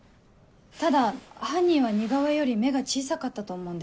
ただ犯人は似顔絵より目が小さかったと思うんです。